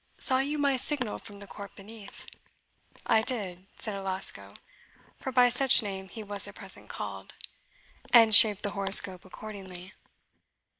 "Saw you my signal from the court beneath?" "I did," said Alasco, for by such name he was at present called, "and shaped the horoscope accordingly."